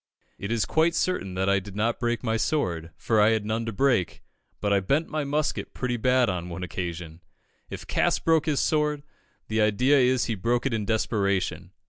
It is quite certain that I did not break my sword, for I had none to break; but I bent my musket pretty badly on one occasion. If Cass broke his sword, the idea is he broke it in desperation.